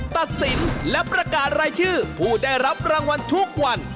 ตัดสินและประกาศรายชื่อผู้ได้รับรางวัลทุกวัน